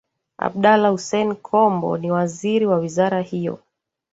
Abdallah Hussein Kombo ni Waziri wa Wizara hiyo